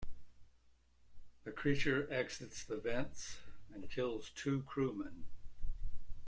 The creature exits the vents and kills two crewmen.